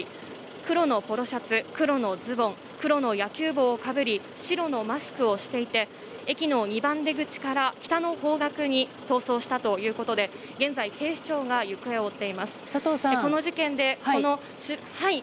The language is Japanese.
黒のポロシャツ、黒のズボン黒の野球帽をかぶり白のマスクをしていて駅の２番出口から北の方角に逃走したということで現在、警視庁が行方を追っています。